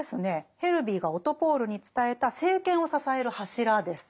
ヘルヴィーがオトポール！に伝えた政権を支える柱です。